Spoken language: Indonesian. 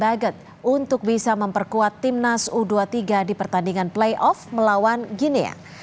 dan baget untuk bisa memperkuat timnas u dua puluh tiga di pertandingan playoff melawan gini ya